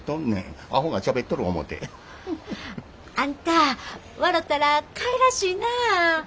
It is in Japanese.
あんた笑たらかいらしいなあ。